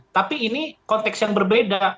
tapi ini konteks yang berbeda